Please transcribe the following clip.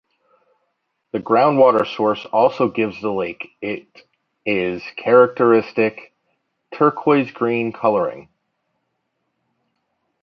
The ground water source also gives the lake it is characteristic turquoise-green colouring.